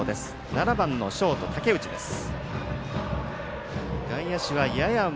７番のショート竹内です。